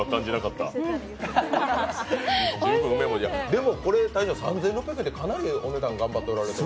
でもこれ３６００円ってかなりお値段頑張っておられる？